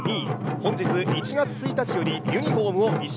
本日１月１日よりユニフォームを一新！